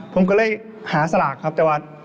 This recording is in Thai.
ผมก็เลยหาสลากครับแต่ว่า